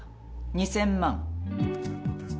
２，０００万。